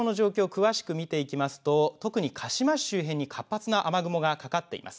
詳しく見ていきますと特に鹿嶋市周辺に活発な雨雲がかかっています。